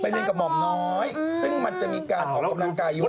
เรียนกับหม่อมน้อยซึ่งมันจะมีการออกกำลังกายอยู่